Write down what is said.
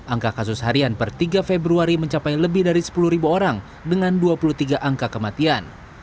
angka kasus harian per tiga februari mencapai lebih dari sepuluh orang dengan dua puluh tiga angka kematian